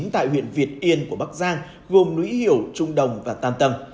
tại huyện việt yên của bắc giang gồm lũy hiểu trung đồng và tam tâm